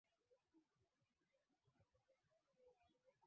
inayoitwa tepui katika lugha ya wakazi asilia